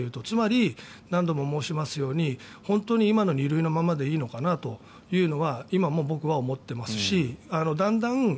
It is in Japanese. つまり、何度も申しますように本当に今の２類のままでいいのかなというのは今も僕は思っていますしだんだん